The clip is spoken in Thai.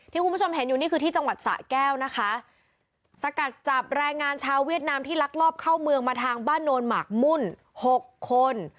คุณผู้ชมเห็นอยู่นี่คือที่จังหวัดสะแก้วนะคะสกัดจับแรงงานชาวเวียดนามที่ลักลอบเข้าเมืองมาทางบ้านโนนหมากมุ่นหกคน